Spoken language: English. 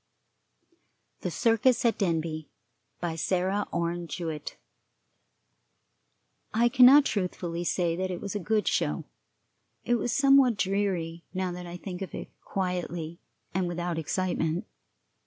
THE CIRCUS AT DENBY. BY SARAH ORNE JEWETT. I cannot truthfully say that it was a good show; it was somewhat dreary, now that I think of it quietly and without excitement.